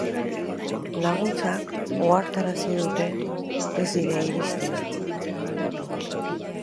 Laguntzak, ohartarazi dute, ez dira iristen.